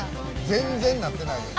全然、なってないよ。